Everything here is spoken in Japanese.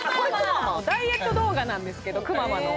ダイエット動画なんですけどくままの。